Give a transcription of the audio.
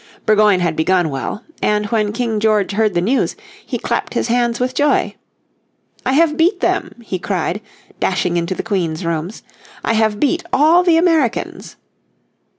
Burgoyne had begun well, and when King George heard the news he clapped his hands with joy. "I have beat them," he cried, dashing into the queen's rooms, "I have beat all the Americans."